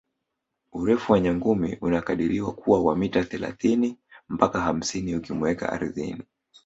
Urefu wa nyangumi unakadiriwa kuwa wa mita thelathini mpaka hamsini ukimuweka ardhini